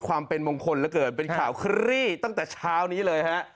ความเป็นมงคลเหลือเกินเป็นข่าวคลี่ตั้งแต่เช้านี้เลยฮะ